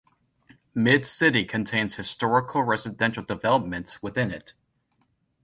Mid-City contains historical residential developments within it.